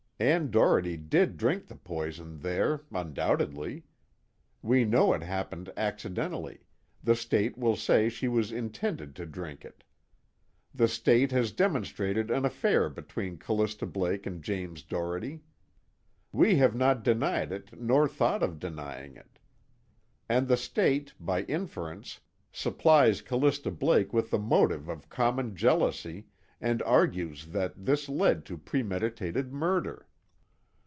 Ann Doherty did drink the poison there, undoubtedly; we know it happened accidentally, the State will say she was intended to drink it. The State has demonstrated an affair between Callista Blake and James Doherty; we have not denied it nor thought of denying it. And the State, by inference, supplies Callista Blake with the motive of common jealousy and argues that this led to premeditated murder.